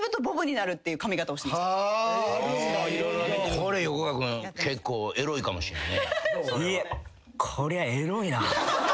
これ横川君結構エロいかもしれないね。